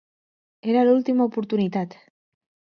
Era l'última oportunitat...